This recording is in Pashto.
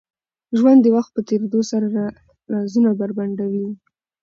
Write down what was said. ژوند د وخت په تېرېدو سره رازونه بربنډوي.